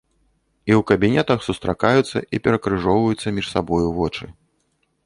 І ў кабінетах сустракаюцца і перакрыжоўваюцца між сабою вочы.